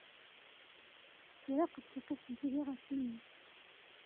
Turraq-d tiqit n tidi ɣef timmi-s.